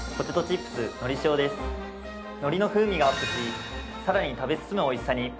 のりの風味がアップしさらに食べ進む美味しさに。